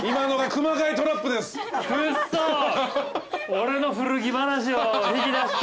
俺の古着話を引き出して。